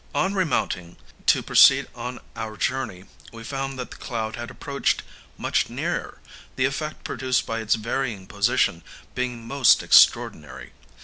On remounting, to proceed on our journey, we found that the cloud had approached much nearer, the effect produced by its varying position being most extraordinary.